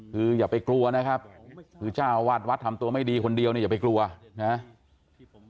คืออย่าไปกลัวนะครับคือเจ้าอาวาสวัดทำตัวไม่ดีคนเดียวเนี่ยอย่าไปกลัวนะครับ